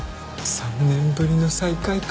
３年ぶりの再会か。